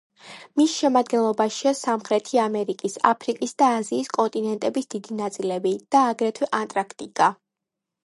მის შემადგენლობაშია სამხრეთი ამერიკის, აფრიკისა და აზიის კონტინენტების დიდი ნაწილები და აგრეთვე ანტარქტიკა.